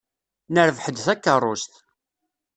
Nerbeḥ-d takeṛṛust.